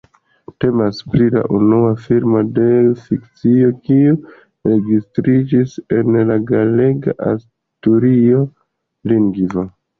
Temas pri la unua filmo de fikcio kiu registriĝis en la galega-asturia lingvo.